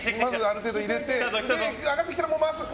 ある程度入れて上がってきたら回す！